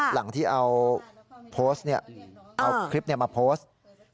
หลังที่เอาคลิปนี้มาโพสต์